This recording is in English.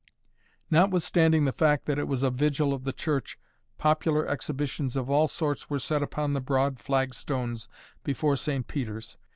Notwithstanding the fact that it was a Vigil of the Church, popular exhibitions of all sorts were set upon the broad flagstones before St. Peter's.